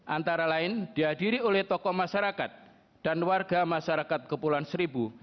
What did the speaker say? antara lain dihadiri oleh tokoh masyarakat dan warga masyarakat kepulauan seribu